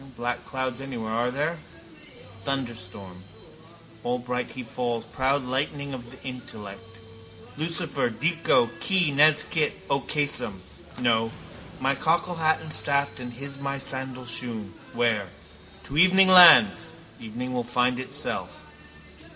No black clouds anywhere, are there? Thunderstorm. Allbright he falls, proud lightning of the intellect, Lucifer, dico, qui nescit occasum. No. My cockle hat and staff and hismy sandal shoon. Where? To evening lands. Evening will find itself.